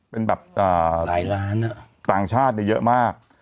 เป็นแบบหลายล้านต่างชาติเยอะมาก